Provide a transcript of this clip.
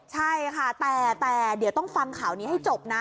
ใช่ค่ะแต่เดี๋ยวต้องฟังข่าวนี้ให้จบนะ